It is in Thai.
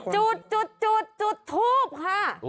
จุดจุดทูบค่ะ